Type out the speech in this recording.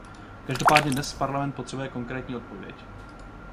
Každopádně dnes Parlament potřebuje konkrétní odpověď.